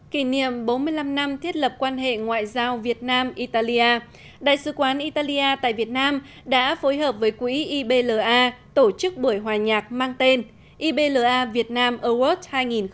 kỷ niệm bốn mươi năm năm thiết lập quan hệ ngoại giao việt nam italia đại sứ quán italia tại việt nam đã phối hợp với quỹ ibla tổ chức buổi hòa nhạc mang tên ibla việt nam award hai nghìn một mươi chín